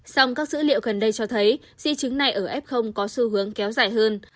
song các dữ liệu gần đây cho thấy di chứng này ở f có xu hướng kéo dài hơn